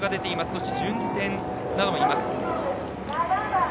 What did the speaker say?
そして、順天などもいます。